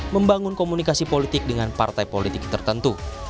membangun komunikasi politik dengan partai politik tertentu